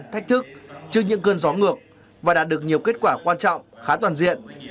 thách thức trước những cơn gió ngược và đạt được nhiều kết quả quan trọng khá toàn diện